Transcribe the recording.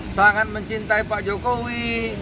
sangat mencintai pak jokowi